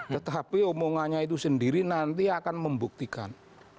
tetapi omongannya itu sendiri nanti akan membuktikan